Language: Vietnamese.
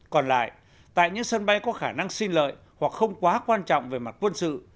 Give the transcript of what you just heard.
còn lại tại những sân bay có khả năng xin lợi hoặc không quá quan trọng về mặt quân sự